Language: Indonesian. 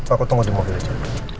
aku tunggu di mobil itu